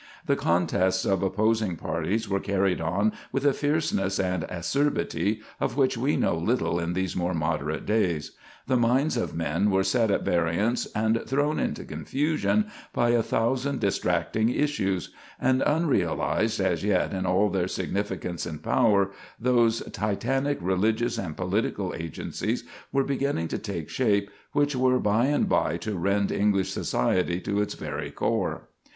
The contests of opposing parties were carried on with a fierceness and acerbity of which we know little in these more moderate days; the minds of men were set at variance and thrown into confusion by a thousand distracting issues; and, unrealized as yet in all their significance and power, those Titanic religious and political agencies were beginning to take shape which were by and by to rend English society to its very core.